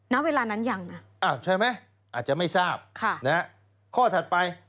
ณเวลานั้นอย่างน่ะอ่ะใช่ไหมอาจจะไม่ทราบข้อถัดไป